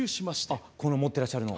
あっこの持ってらっしゃるの。